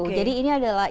oke jadi ini adalah isu